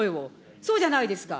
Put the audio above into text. そうじゃないですか。